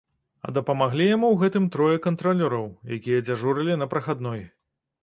А дапамаглі яму ў гэтым трое кантралёраў, якія дзяжурылі на прахадной.